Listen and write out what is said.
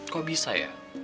kok bisa ya